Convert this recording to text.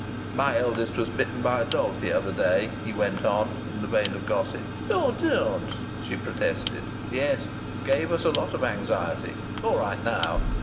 "My eldest was bitten by a dog the other day," he went on, in the vein of gossip. "Oh, don't!" she protested. "Yes. Gave us a lot of anxiety. All right now!